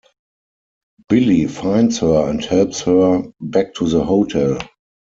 Billy finds her and helps her back to the hotel.